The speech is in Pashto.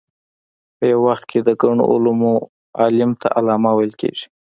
په یو وخت کې د ګڼو علومو عالم ته علامه ویل کېږي.